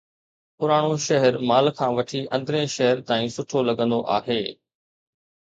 پراڻو شهر مال کان وٺي اندرين شهر تائين سٺو لڳندو آهي.